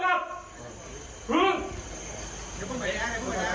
ตำรวจก็พยายามเกลี้ยกล่อมนะคะเจ้าอาวาส